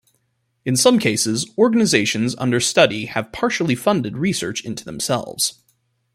In some cases, organizations under study have partially funded research into themselves.